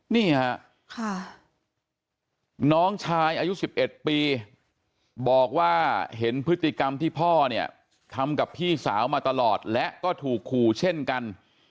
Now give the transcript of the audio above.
นี่ฮะน้องชายอายุ๑๑ปีบอกว่าเห็นพฤติกรรมที่พ่อเนี่ยทำกับพี่สาวมาตลอดและก็ถูกขู่เช่นกัน